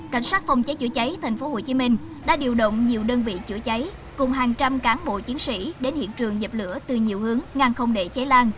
cảnh sát phòng cháy chữa cháy tp hcm đã điều động nhiều đơn vị chữa cháy cùng hàng trăm cán bộ chiến sĩ đến hiện trường dập lửa từ nhiều hướng ngang không để cháy lan